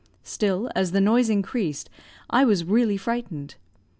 Still, as the noise increased, I was really frightened.